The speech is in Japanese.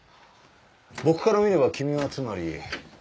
僕から見れば君はつまり。